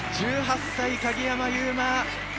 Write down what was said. １８歳、鍵山優真。